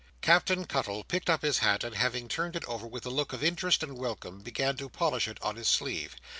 Captain Cuttle picked up his hat, and having turned it over with a look of interest and welcome, began to polish it on his sleeve.